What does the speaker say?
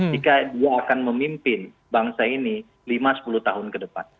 jika dia akan memimpin bangsa ini lima sepuluh tahun ke depan